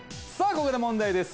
ここで問題です